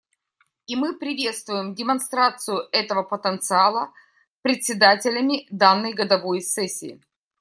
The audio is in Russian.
И мы приветствуем демонстрацию этого потенциала председателями данной годовой сессии.